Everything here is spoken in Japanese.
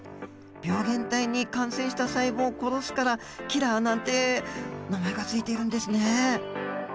病原体に感染した細胞を殺すから「キラー」なんて名前が付いているんですね。